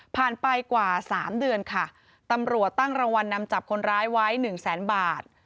ไปกว่า๓เดือนค่ะตำรวจตั้งรางวัลนำจับคนร้ายไว้หนึ่งแสนบาท